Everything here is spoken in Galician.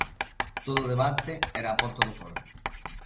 Todo o debate era a Porta do Sol.